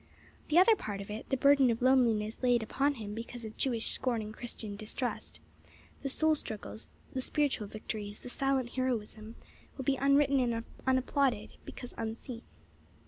The other part of it, the burden of loneliness laid upon him because of Jewish scorn and Christian distrust, the soul struggles, the spiritual victories, the silent heroism, will be unwritten and unapplauded, because unseen."